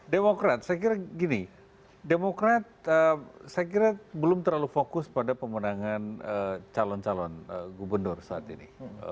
demokrat saya kira gini demokrat saya kira belum terlalu fokus pada pemenangan calon calon gubernur saat ini